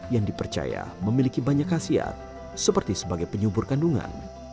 yang dipercaya memiliki banyak khasiat seperti sebagai penyubur kandungan